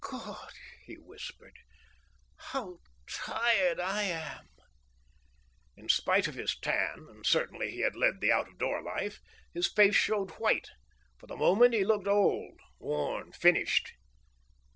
"God," he whispered, "how tired I am!" In spite of his tan and certainly he had led the out of door life his face showed white. For the moment he looked old, worn, finished.